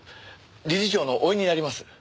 理事長の甥になります。